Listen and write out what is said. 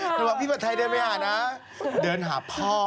เขาก็บอกว่าพี่ปัจทัยเดินไปหานะเดินหาพ่อ